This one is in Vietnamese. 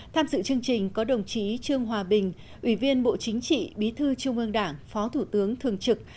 tham dự chương trình có đồng chí trương hòa bình ủy viên bộ chính trị bí thư trung ương đảng phó thủ tướng thường trực